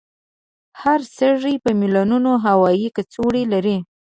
هر سږی په میلونونو هوایي کڅوړې لري.